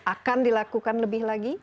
akan dilakukan lebih lagi